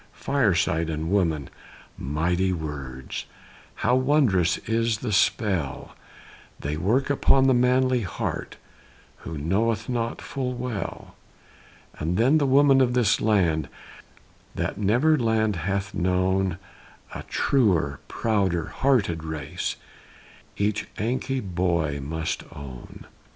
Fireside and woman mighty words! How wondrous is the spell They work upon the manly heart, Who knoweth not full well? And then the women of this land, That never land hath known A truer, prouder hearted race, Each Yankee boy must own.